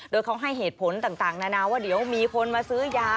โดยเขาให้เหตุผลต่างนานาว่าเดี๋ยวมีคนมาซื้อยา